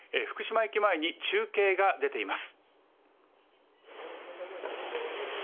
福島駅前に中継が出ています。